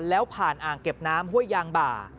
แล้วผ่านอ่างเก็บน้ำห้วยยางบ่า